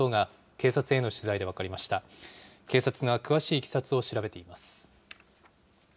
警察が詳しいいきさつを調べています。